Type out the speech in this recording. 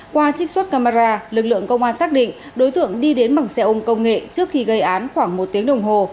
qua trích xuất camera lực lượng công an xác định đối tượng đi đến bằng xe ôm công nghệ trước khi gây án khoảng một tiếng đồng hồ